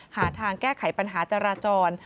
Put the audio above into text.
หาทางแก้ไขปัญหาจราจร